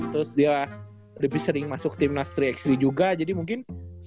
terus dia lebih sering masuk timnas tiga x tiga juga jadi mungkin